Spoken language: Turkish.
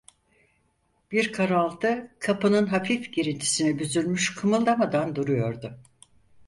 Bir karaltı kapının hafif girintisine büzülmüş, kımıldamadan duruyordu.